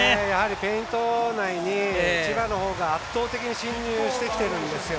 ペイント内に千葉のほうが圧倒的に進入してきているんですよ。